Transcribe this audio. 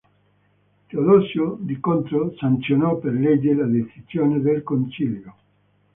Teodosio, di contro, sanzionò per legge le decisioni del concilio.